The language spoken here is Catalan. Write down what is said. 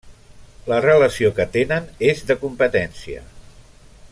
La relació que tenen és de competència.